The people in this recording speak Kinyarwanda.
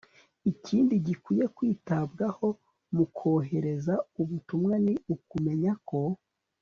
ikindi gikwiye kwitabwaho mu kohereza ubutumwa, ni ukumenya ko